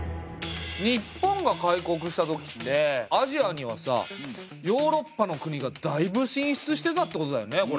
日本が開国した時ってアジアにはさヨーロッパの国がだいぶ進出してたってことだよね